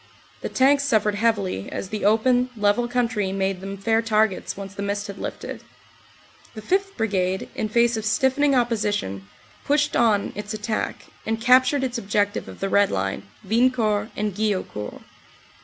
The tanks suffered heavily, as the open, level coun try made them fair targets once the mist had lifted. The 5th. Brigade, in face of stiffening opposition, pushed on its attack, and captured its objective of the Red Line, Wiencourt and Guillaucourt.